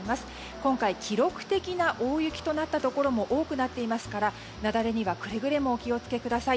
今回、記録的な大雪となったところも多くなっていますから雪崩にはくれぐれもお気をつけください。